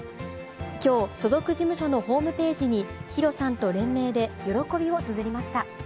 きょう、所属事務所のホームページに、ＨＩＲＯさんと連名で喜びをつづりました。